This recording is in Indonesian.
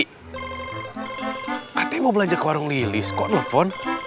katanya mau belajar ke warung lilis kok nelfon